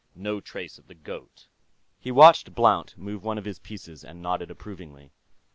No trace of the goat." He watched Blount move one of his pieces and nodded approvingly.